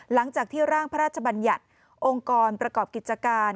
หลังจากที่ร่างพระราชบัญญัติองค์กรประกอบกิจการ